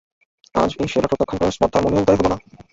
আজ এই সেবা প্রত্যাখ্যান করার স্পর্ধা মনেও উদয় হল না।